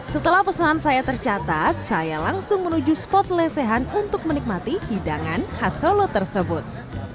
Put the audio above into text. setelah pesanan saya tercatat saya langsung menuju spot lesehan untuk menikmati hidangan khas solo tersebut